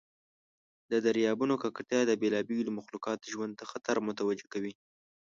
د دریابونو ککړتیا د بیلابیلو مخلوقاتو ژوند ته خطر متوجه کوي.